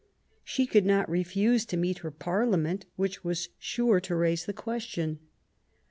She could not refuse to meet her Parliament, which was sure to raise the question.